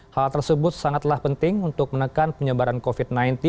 hal tersebut sangatlah penting untuk menekan penyebaran covid sembilan belas